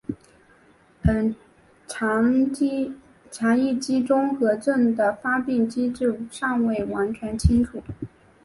肠易激综合征的发病机制尚未完全清楚。